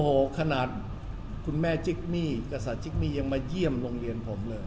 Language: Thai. โอ้โหฮขนาดคุณแม่จิ๊กมี้กษัตริย์จิ๊กมี้ยังเยี่ยมรูปของผมเลย